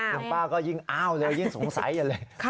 คุณป้าก็ยิ่งอ้าวเลยยิ่งสงสัยอย่างเลยค่ะ